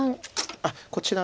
あっこちら。